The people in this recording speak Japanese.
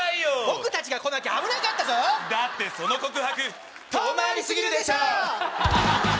僕達が来なきゃ危なかったぞだってその告白遠回りすぎるでしょ！